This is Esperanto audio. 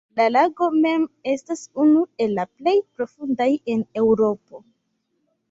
La lago mem, estas unu el la plej profundaj en Eŭropo.